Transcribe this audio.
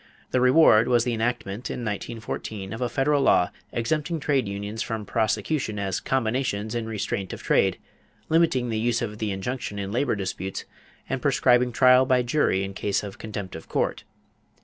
The reward was the enactment in 1914 of a federal law exempting trade unions from prosecution as combinations in restraint of trade, limiting the use of the injunction in labor disputes, and prescribing trial by jury in case of contempt of court.